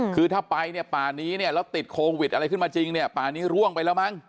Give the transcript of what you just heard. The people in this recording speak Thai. คือถ้าไปป่านี้แล้วติดโควิดอะไรขึ้นมาจริงป่านี้ร่วงไปแล้วมั้ง